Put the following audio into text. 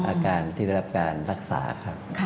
อาการที่ได้รับการรักษาครับ